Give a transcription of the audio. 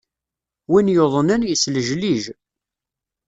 Win yuḍenen, yeslejlij.